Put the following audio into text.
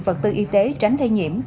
vật tư y tế tránh thay nhiễm